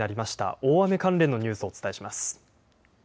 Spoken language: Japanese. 大雨関連のニュースをお伝えします。